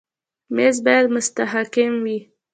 مېز باید مستحکم وي.